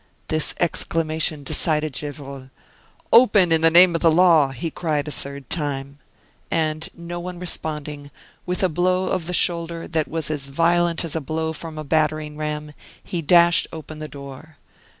This exclamation decided Gevrol. "Open, in the name of the law!" he cried a third time. And no one responding, with a blow of the shoulder that was as violent as a blow from a battering ram, he dashed open the door.